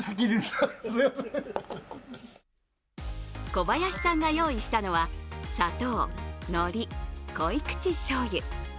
小林さんが用意したのは砂糖、のり、濃口しょうゆ。